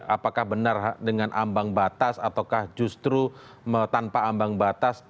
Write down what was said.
apakah benar dengan ambang batas ataukah justru tanpa ambang batas